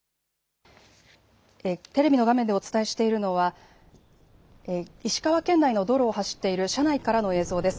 テレビの画面でお伝えしているのは石川県内の道路を走っている車内からの映像です。